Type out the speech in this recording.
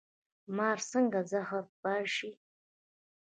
مار څنګه زهر پاشي؟